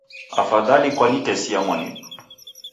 Afadhali kwanitesia mwanidu